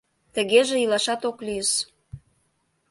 Тыгеже илашат ок лийыс.